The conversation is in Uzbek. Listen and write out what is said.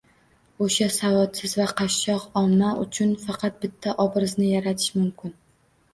O`sha savodsiz va qashshoq omma uchun faqat bitta obrazni yaratish mumkin